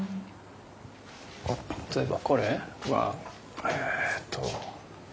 例えばこれはえっと。